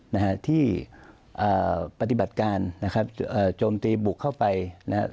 นะฮะที่อ่าปฏิบัติการนะครับเอ่อโจมตีบุกเข้าไปนะฮะ